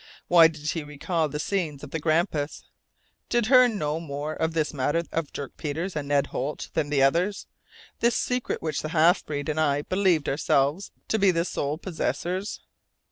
Why did he recall the scenes of the Grampus? Did Hearne know more of this matter of Dirk Peters and Ned Holt than the others; this secret of which the half breed and I believed ourselves to be the sole possessors?